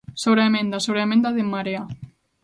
Sobre a emenda, sobre a emenda de En Marea.